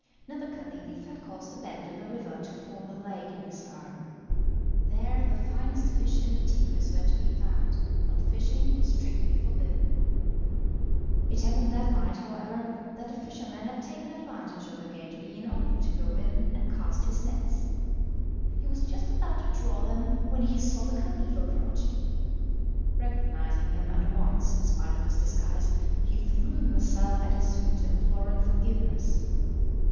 Now the Caliph had caused a bend in the river to form a lake in his garden. There the finest fish in the Tigris were to be found, but fishing was strictly forbidden. It happened that night, however, that a fisherman had taken advantage of the gate being open to go in and cast his nets. He was just about to draw them when he saw the Caliph approaching. Recognising him at once in spite of his disguise, he threw himself at his feet imploring forgiveness.